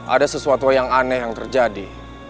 ada sesuatu yang aneh yang terjadi